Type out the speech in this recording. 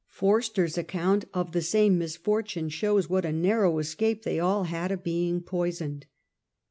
Forster's account of the same misfortune shows what a narrow escape they all had of being poisoned.